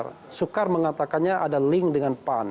patrialis akbar mengatakannya ada link dengan pan